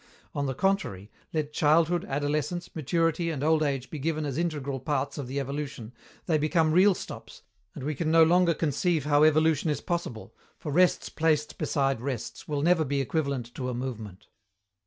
On the contrary, let childhood, adolescence, maturity and old age be given as integral parts of the evolution, they become real stops, and we can no longer conceive how evolution is possible, for rests placed beside rests will never be equivalent to a movement.